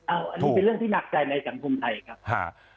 อันนี้เป็นเรื่องที่หนักใจในสังคมไทยครับ